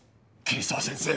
桐沢先生。